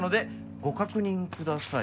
「ご確認ください」